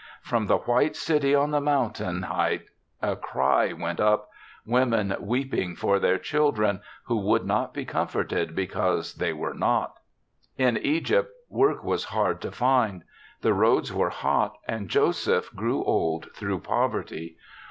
From the white city on THE SEVENTH CHRISTMAS 43 the mountain height a cry went up — women weeping for their children, who would not be comforted because they were not. " In Egypt work was hard to find ; the roads were hot and Joseph grew old through poverty.